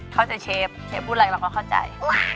เข้าใจเชฟเชฟพูดอะไรเราก็เข้าใจ